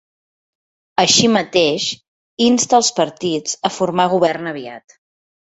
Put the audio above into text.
Així mateix, insta els partits a formar govern aviat.